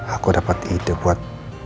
aku dapat ide buat